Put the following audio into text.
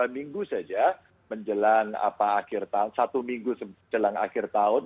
dua minggu saja menjelang akhir tahun satu minggu jelang akhir tahun